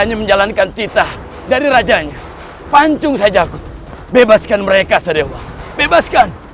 hanya menjalankan cita dari rajanya pancung saja aku bebaskan mereka sadewa bebaskan